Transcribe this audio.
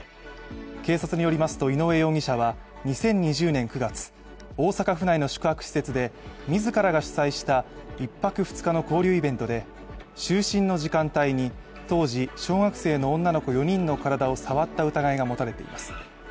警察によりますと井上容疑者は大阪府内の宿泊施設で自らが主催した１泊２日の交流イベントで、就寝の時間帯に当時、小学生の女の子４人の体を触った疑いが持たれています。